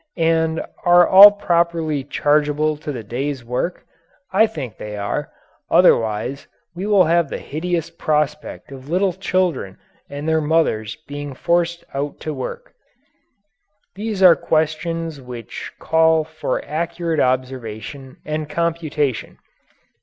And are all properly chargeable to the day's work? I think they are. Otherwise, we have the hideous prospect of little children and their mothers being forced out to work. These are questions which call for accurate observation and computation.